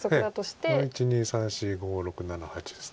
１２３４５６７８です。